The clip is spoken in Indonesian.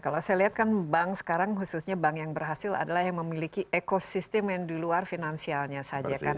kalau saya lihat kan bank sekarang khususnya bank yang berhasil adalah yang memiliki ekosistem yang di luar finansialnya saja kan